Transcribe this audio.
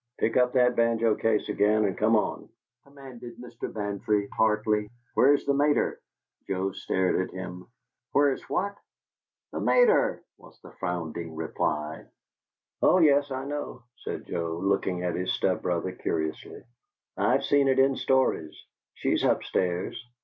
"Pick up that banjo case again and come on," commanded Mr. Bantry, tartly. "Where's the mater?" Joe stared at him. "Where's what?" "The mater!" was the frowning reply. "Oh yes, I know!" said Joe, looking at his step brother curiously. "I've seen it in stories. She's up stairs.